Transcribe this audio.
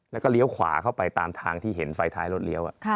แล้วก็เลี้ยวขวาเข้าไปตามทางที่เห็นไฟท้ายรถเลี้ยว